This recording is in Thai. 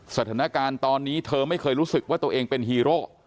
สถานการณ์ตอนนี้เธอไม่เคยรู้สึกว่าตัวเองเป็นฮีโร่